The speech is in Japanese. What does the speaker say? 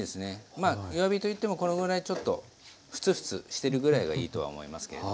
まあ弱火といってもこのぐらいちょっとフツフツしてるぐらいがいいとは思いますけど。